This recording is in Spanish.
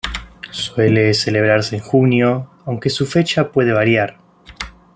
Suele celebrarse en junio aunque su fecha puede variar.